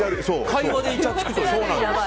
会話でいちゃつくというか。